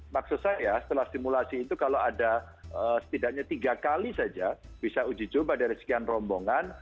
maksud saya setelah simulasi itu kalau ada setidaknya tiga kali saja bisa uji coba dari sekian rombongan